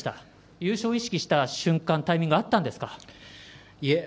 優勝を意識した瞬間タイミング、あったんですか？